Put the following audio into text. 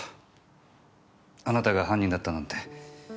あなたが犯人だったなんて。